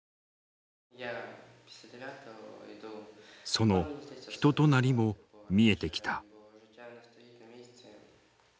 その人となりも見えてきた。